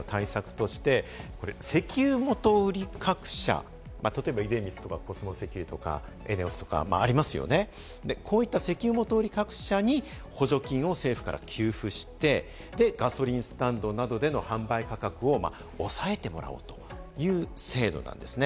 このガソリン補助金といいますのはコロナなどで落ち込んだ経済の対策として石油元売り各社、例えば出光とかコスモ石油とかエネオスとかありますよね、こういった石油元売り各社に補助金を政府から給付して、ガソリンスタンドなどでの販売価格を抑えてもらおうという制度なんですね。